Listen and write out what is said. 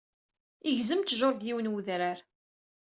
Igezzem ttjur deg yiwen wedrar.